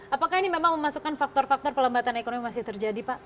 apakah ini memang memasukkan faktor faktor pelembatan ekonomi masih terjadi pak